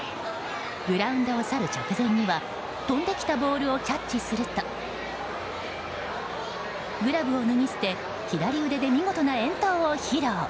グラウンドを去る直前には飛んできたボールをキャッチするとグラブを脱ぎ捨て左腕で見事な遠投を披露。